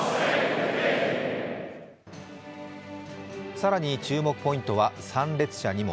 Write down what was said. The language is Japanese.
更に注目ポイントは参列者にも。